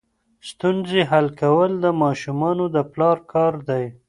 ستونزې حل کول د ماشومانو د پلار کار دی.